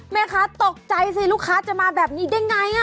แม่ค้าตกใจสิลูกค้าจะมาแบบนี้ได้ไง